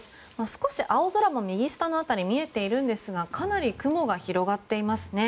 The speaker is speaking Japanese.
少し青空も右下の辺りに見えていますがかなり雲が広がっていますね。